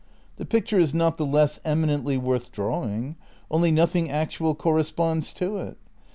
The picture is not the less eminently worth drawing. Only nothing actual corresponds to it.